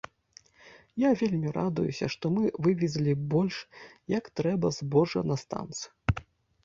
Я вельмі радуюся, што мы вывезлі больш як трэба збожжа на станцыю.